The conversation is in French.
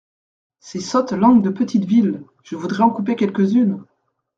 Ces sottes langues de petites villes ! je voudrais en couper quelques-unes !